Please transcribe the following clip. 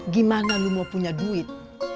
gimana lu mau punya duit